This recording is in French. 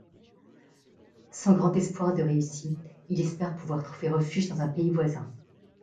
Sans grand espoir de réussite, il espère pouvoir trouver refuge dans un pays voisin.